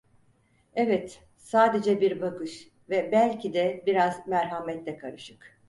Evet, sadece bir bakış ve belki de biraz merhametle karışık…